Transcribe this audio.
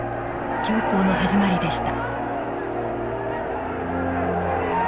恐慌の始まりでした。